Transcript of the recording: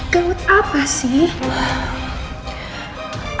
gawat apa sih